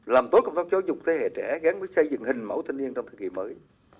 làm tốt công tác giáo dục thế hệ trẻ gắn với xây dựng hình mẫu thanh niên trong thời kỳ mới